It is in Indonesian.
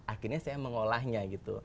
akhirnya saya mengolahnya gitu